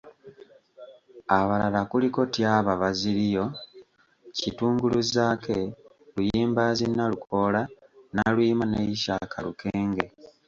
Abalala kuliko Tyaba Bazilio, Kitungulu Zaake, Luyimbazi Nalukoola, Naluyima ne Ishak Lukenge.